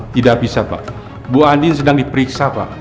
tidak bisa pak bu ani sedang diperiksa pak